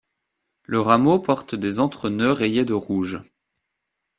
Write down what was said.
Le rameau porte des entre-nœuds rayés de rouge.